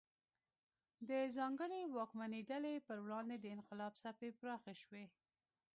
د ځانګړې واکمنې ډلې پر وړاندې د انقلاب څپې پراخې شوې.